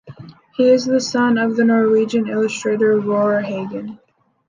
He is the son of the Norwegian illustrator Roar Hagen.